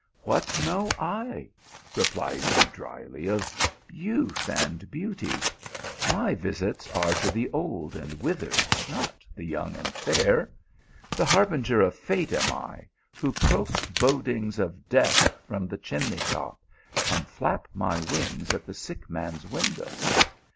" What know I," replied he dryly, " of youth and beauty ? My visits are to the old and withered, not the young and fair. The harbinger of fate am I, who croak bodings of death from the chimney top, and flap my wings at the sick man s window.